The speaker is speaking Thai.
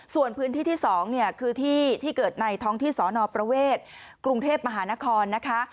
ส่วนพื้นที่ที่๒เนี่ยคือที่ที่เกิดในท้องที่สนประเวทกรุงเทพมหานครนะคะ